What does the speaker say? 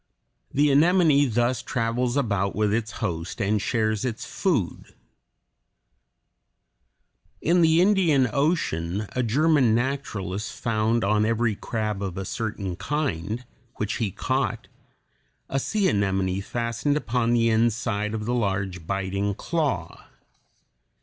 The anemone thus travels about with its host and shares its food. In the Indian Ocean a German naturalist found on every crab of a certain kind, which he caught, a sea anemone fastened upon the inside of the large biting claw.